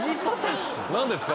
何ですか？